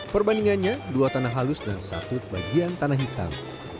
perbandingannya dua tanah halus dan satu bagian tanah hitam